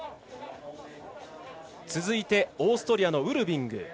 続いて、オーストリアのウルビング。